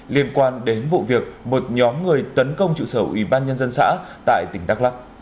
liên quan đến vụ việc một nhóm người tấn công trụ sở ủy ban nhân dân xã tại tỉnh đắk lắc